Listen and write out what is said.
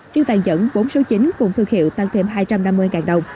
riêng vàng nhẫn bốn số chín cùng thương hiệu tăng thêm hai trăm năm mươi đồng